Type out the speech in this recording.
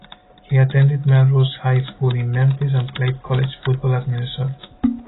He attended Melrose High School in Memphis and played college football at Minnesota.